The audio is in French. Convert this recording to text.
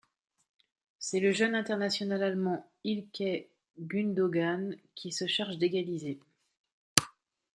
C'est le jeune international allemand Ilkay Gundogan qui se charge d'égaliser.